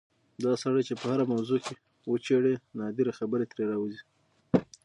دا سړی چې په هره موضوع کې وچېړې نادرې خبرې ترې راوځي.